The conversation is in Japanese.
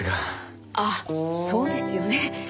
あっそうですよね。